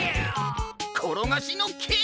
ころがしのけい！